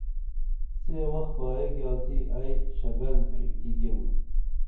سے وخ کایہ گِیاڅی ائی شگل پِھرکی گیم